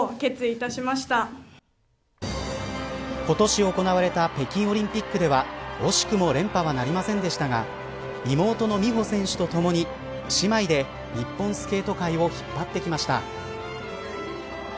今年行われた北京オリンピックでは惜しくも連覇はなりませんでしたが妹の美帆選手とともに姉妹で日本スケート界を引っ張ってきました。